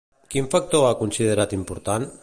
Quin factor ha considerat important?